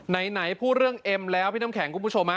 ไหนพูดเรื่องเอ็มแล้วพี่น้ำแข็งคุณผู้ชม